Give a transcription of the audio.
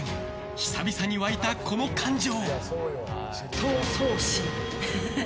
久々に湧いたこの感情。